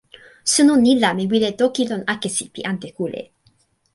suno ni la mi wile toki lon akesi pi ante kule.